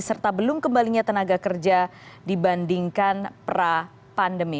serta belum kembalinya tenaga kerja dibandingkan pra pandemi